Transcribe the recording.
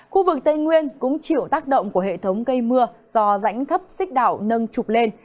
khu vực tây nguyên cũng chịu tác động của hệ thống gây mưa do rãnh thấp xích đảo nâng trục lên